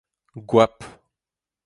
goap